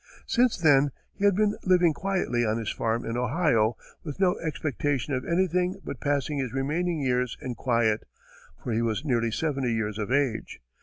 Since then, he had been living quietly on his farm in Ohio, with no expectation of anything but passing his remaining years in quiet, for he was nearly seventy years of age.